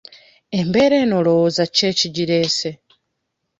Embeera eno olowooza ki ekigireese?